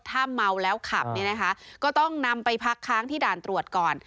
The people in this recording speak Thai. ถ้าเมาแล้วขับเนี่ยนะคะก็ต้องนำไปพักค้างที่ด่านตรวจก่อน